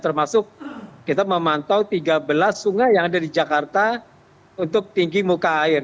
termasuk kita memantau tiga belas sungai yang ada di jakarta untuk tinggi muka air